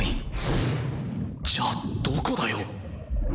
じゃあどこだよ！